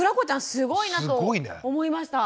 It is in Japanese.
すごいなと思いました。